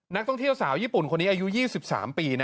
นักท่องเที่ยวสาวญี่ปุ่นคนนี้อายุ๒๓ปี